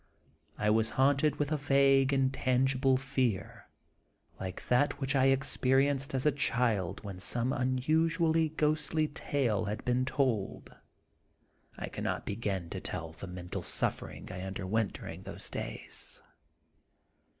I was haunted with a vague, intangible fear, like that which I Dr. yekyll and Mr. Hyde. 23 experienced as a child when some unusually ghostly tale had been told. I cannot begin to tell the mental suffering I underwent during those days.